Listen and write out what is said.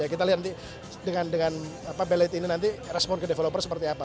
kita lihat nanti dengan bailet ini nanti respon ke developer seperti apa